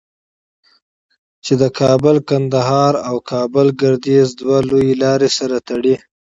چې د کابل قندهار او کابل گردیز دوه لویې لارې سره تړي.